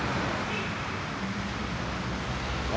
あ。